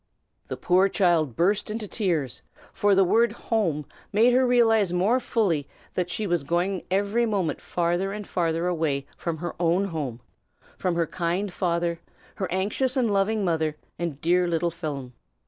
The poor child burst into tears, for the word 'home' made her realize more fully that she was going every moment farther and farther away from her own home, from her kind father, her anxious and loving mother, and dear little Phelim.